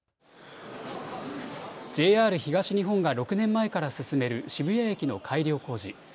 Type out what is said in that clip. ＪＲ東日本が６年前から進める渋谷駅の改良工事。